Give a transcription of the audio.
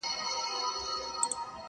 په تعظيم ورته قاضي او وزيران سول؛